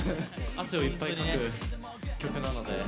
汗をいっぱいかく曲なので。